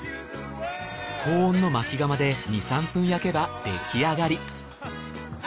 高温の薪窯で２３分焼けば出来上がり。